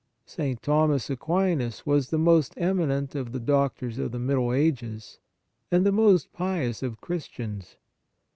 St. Thomas Aquinas was the most eminent of the doctors of the Middle Ages, and the most pious of Christians.